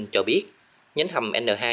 cho biết nhánh hầm n hai